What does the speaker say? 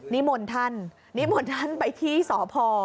นิมนต์ท่านนิมนต์ท่านไปที่สพ